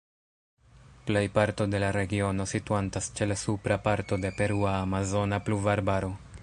Plej parto de la regiono situantas ĉe la supra parto de perua Amazona Pluvarbaro.